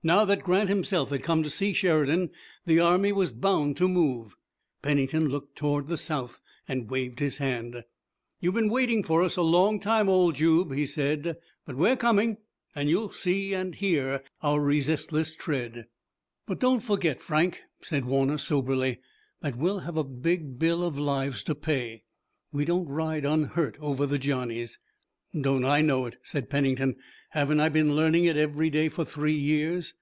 Now that Grant himself had come to see Sheridan the army was bound to move. Pennington looked toward the South and waved his hand. "You've been waiting for us a long time, old Jube," he said, "but we're coming. And you'll see and hear our resistless tread." "But don't forget, Frank," said Warner soberly, "that we'll have a big bill of lives to pay. We don't ride unhurt over the Johnnies." "Don't I know it?" said Pennington. "Haven't I been learning it every day for three years?"